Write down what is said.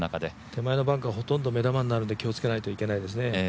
手前のバンカーほとんど目玉になるんで気をつけてもらいたいですね。